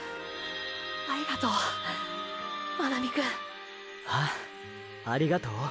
ありがとう真波くん。は“ありがとう”？